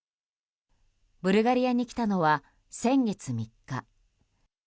ブルガリアに来たのは先月３日。